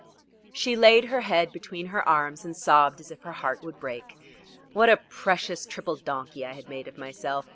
She laid her head between her arms, and sobbed as if her heart would break. What a precious triple donkey I had made of myself!